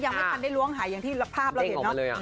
ยังไม่ทันได้ล้วงหายอย่างที่ภาพเราเห็นเนอะ